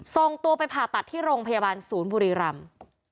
ส่งตัวไปผ่าตัดที่โรงพยาบาลศูนย์บุรีรำ